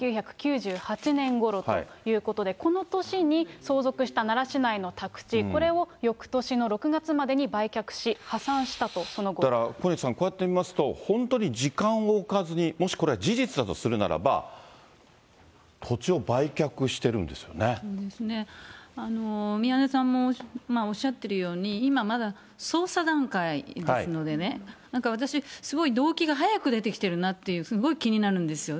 １９９８年ごろということで、この年に相続した奈良市内の宅地、これをよくとしの６月までに売却し、だから小西さん、こうやって見ますと、本当に時間を置かずに、もしこれが事実だとするならば、そうですね、宮根さんもおっしゃってるように、今まだ捜査段階ですのでね、なんか私、すごい動機が早く出てきてるなっていう、すごい気になるんですよ。